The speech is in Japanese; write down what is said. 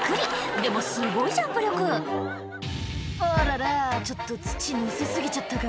でもすごいジャンプ力「あららちょっと土載せ過ぎちゃったか」